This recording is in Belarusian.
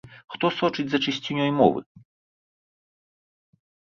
Хто сочыць за чысцінёй мовы?